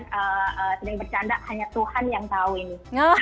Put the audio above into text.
yang sering bercanda hanya tuhan yang tahu ini